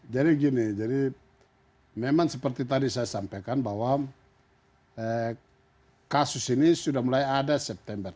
jadi gini jadi memang seperti tadi saya sampaikan bahwa kasus ini sudah mulai ada september